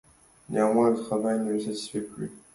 Néanmoins, le travail ne le satisfait plus.